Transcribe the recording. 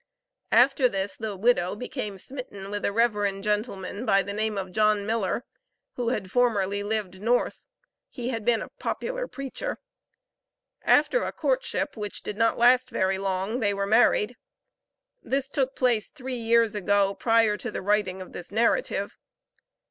After this the widow became smitten with a reverend gentleman, by the name of John Miller, who had formerly lived North; he had been a popular preacher. After a courtship, which did not last very long, they were married. This took place three years ago, prior to the writing of this narrative.